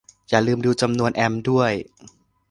อย่าลืมดูจำนวนแอมป์ด้วย